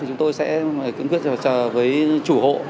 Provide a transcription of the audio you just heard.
chúng tôi sẽ kiểm quyết với chủ hộ